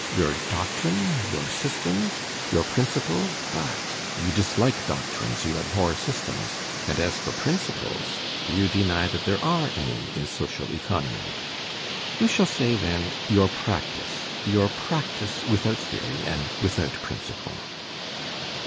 Your doctrine? your system? your principle? but you dislike doctrines, you abhor systems, and as for principles, you deny that there are any in social economy. We shall say, then, your practice, your practice without theory and without principle.